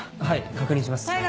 はい確認します。